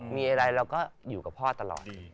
มีอะไรเราก็อยู่กับพ่อตลอด